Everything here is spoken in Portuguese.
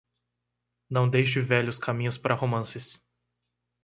Não deixe velhos caminhos para romances.